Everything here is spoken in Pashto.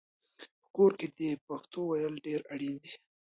په کور کې د پښتو ویل ډېر اړین دي.